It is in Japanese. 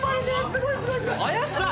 すごいすごい。